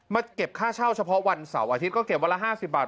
เก็บค่าเช่าเฉพาะวันเสาร์อาทิตย์ก็เก็บวันละ๕๐บาท